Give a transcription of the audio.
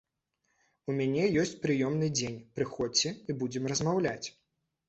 У мяне ёсць прыёмны дзень, прыходзьце і будзем размаўляць.